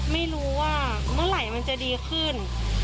ไม่รู้ว่าเมื่อไหร่มันจะดีขึ้น